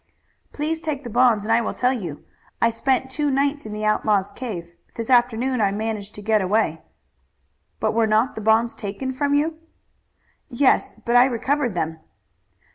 "Please take the bonds and I will tell you. I spent two nights in the outlaws' cave. This afternoon I managed to get away." "But were not the bonds taken from you?" "Yes, but I recovered them."